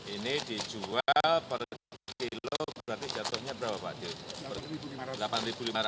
ini dijual per kilo berarti jatuhnya berapa pak